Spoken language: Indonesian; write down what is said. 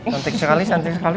cantik sekali cantik sekali